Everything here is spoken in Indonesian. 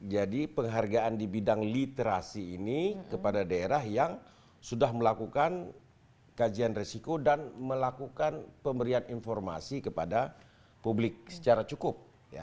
jadi penghargaan di bidang literasi ini kepada daerah yang sudah melakukan kajian risiko dan melakukan pemberian informasi kepada publik secara cukup